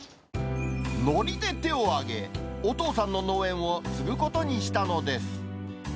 のりで手を挙げ、お父さんの農園を継ぐことにしたのです。